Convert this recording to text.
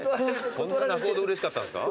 そんな泣くほどうれしかったんですか？